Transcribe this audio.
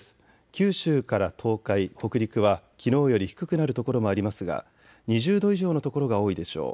九州から東海、北陸はきのうより低くなる所もありますが２０度以上の所が多いでしょう。